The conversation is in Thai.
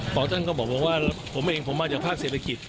พอท่านก็บอกว่าผมเองผมมาจากภาคเศรษฐกิจ